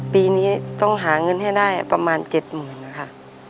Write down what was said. ปีนี้ต้องหาเงินให้ได้ประมาณ๗๐๐๐นะคะ